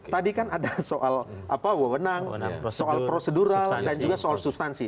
tadi kan ada soal wewenang soal prosedural dan juga soal substansi